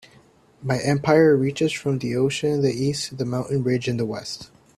My empire reaches from the ocean in the East to the mountain ridge in the West.